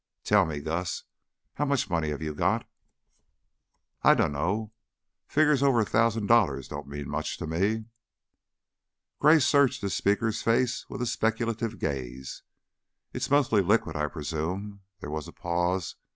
Tell me, Gus, how much money have you got?" "I dunno. Figgers over a thousand dollars don't mean much to me." Gray searched the speaker's face with a speculative gaze. "It's mostly liquid, I presume." There was a pause.